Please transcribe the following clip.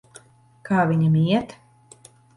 Kā viņam iet?